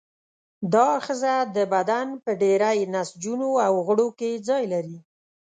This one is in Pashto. دا آخذه د بدن په ډېری نسجونو او غړو کې ځای لري.